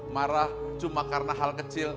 marah cuma karena hal kecil